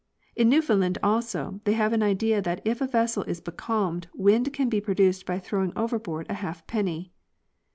In Newfound land, also, they have an idea that if a vessel is becalmed wind can be produced by throwing overboard a half penny.